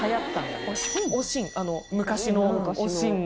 昔の「おしん」